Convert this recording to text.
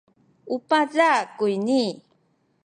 u paza’ kuyni.